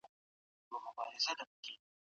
د کرنې وزارت په دې برخه کې پلانونه لري.